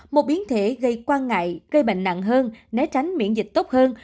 một biến thể gây quan ngại gây bệnh nặng hơn né tránh miễn dịch tốt hơn